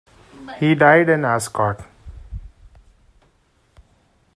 He died in Ascot.